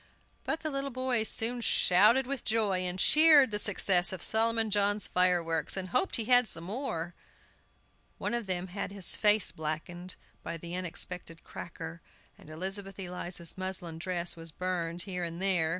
But the little boys soon shouted with joy, and cheered the success of Solomon John's fireworks, and hoped he had some more. One of them had his face blackened by an unexpected cracker, and Elizabeth Eliza's muslin dress was burned here and there.